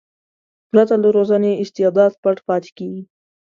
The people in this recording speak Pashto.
پرته له روزنې استعداد پټ پاتې کېږي.